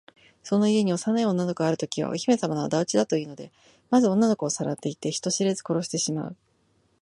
その家に幼い女の子があるときは、お姫さまのあだ討ちだというので、まず女の子をさらっていって、人知れず殺してしまう。